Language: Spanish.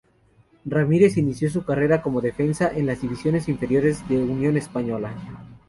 Ramírez inició su carrera como defensa en las divisiones inferiores de Unión Española.